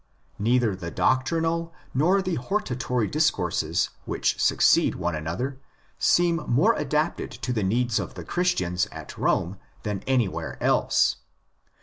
Neither the doctrinal nor the hortatory discourses which succeed one another seem more adapted to the needs of the Chris tians at Rome than anywhere else.